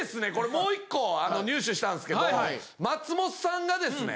もう１個入手したんすけど松本さんがですね